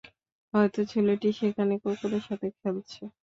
হয়তো ছেলেটি সেখানে কুকুরের সাথে খেলছে।